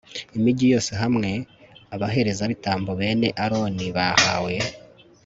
imigi yose hamwe abaherezabitambo bene aroni bahawe